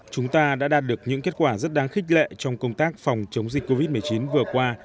chúng ta đã đạt được những kết quả rất đáng khích lệ trong công tác phòng chống dịch covid một mươi chín vừa qua